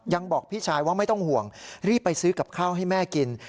บอกพี่ชายว่าไม่ต้องห่วงรีบไปซื้อกับข้าวให้แม่กิน